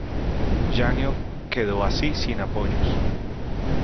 Jânio quedó así sin apoyos.